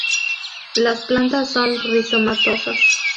Las plantas son rizomatosas.